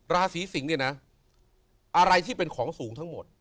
ราศีสิงศ์เนี่ยนะอะไรที่เป็นของสูงทั้งหมด